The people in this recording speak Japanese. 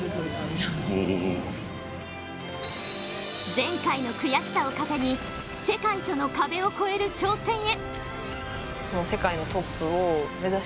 前回の悔しさを糧に世界との壁を超える挑戦へ。